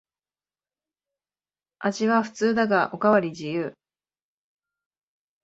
味は普通だがおかわり自由